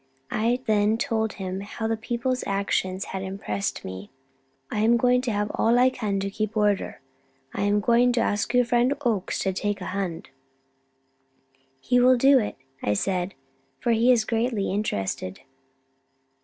I then told him how the people's actions had impressed me. "I am going to have all I can do to keep order. I am going to ask your friend Oakes to take a hand." "He will do it," I said, "for he is greatly interested."